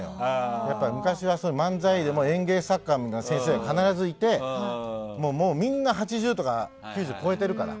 昔は漫才でも演芸作家の先生が必ずいて、もうみんな８０とか９０超えてるから。